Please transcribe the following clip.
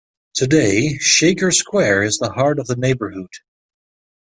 Today, Shaker Square is the heart of the neighborhood.